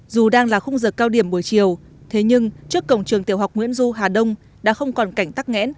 dù đang là khung giờ cao điểm buổi chiều thế nhưng trước cổng trường tiểu học nguyễn du hà đông đã không còn cảnh tắc nghẽn